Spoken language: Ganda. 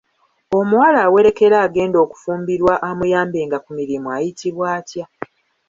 Omuwala awerekera agenda okufumbirwa amuyambenga ku mirimu ayitibwa atya?